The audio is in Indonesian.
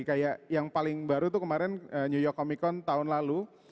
kayak yang paling baru tuh kemarin new york comic con tahun lalu